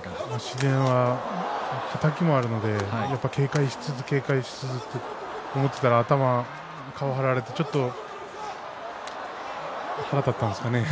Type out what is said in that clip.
紫雷は、はたきもあるので警戒しつつ警戒しつつと思っていたら顔を張られてちょっと腹が立ったんですかね。